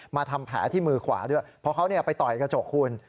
ทำแผลที่มือขวาด้วยเพราะเขาไปต่อยกระจกคุณ